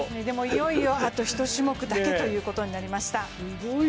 いよいよあと１種目だけとなりました。